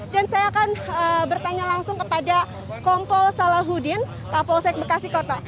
dan saya akan bertanya langsung kepada kongkol salahudin kapolsek bekasi kota